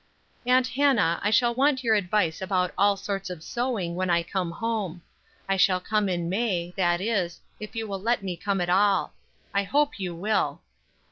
"Aunt Hannah I shall want your advice about all sorts of sewing when I come home. I shall come in May, that is, if you let me come at all. I hope you will.